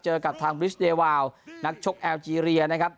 เจอกับทางบริสเดวาวนักชกแอลเจรียนะครับ